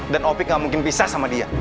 dan opik nggak mungkin pisah sama dia